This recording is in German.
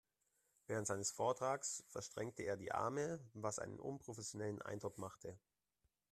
Während seines Vortrages verschränkte er die Arme, was einen unprofessionellen Eindruck machte.